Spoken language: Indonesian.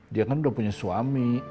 dia kan udah punya suami